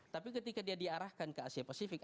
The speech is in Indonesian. tapi ketika dia diarahkan ke asia pasifik